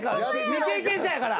未経験者やから。